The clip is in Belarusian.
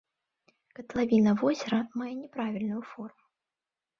Катлавіна возера мае няправільную форму.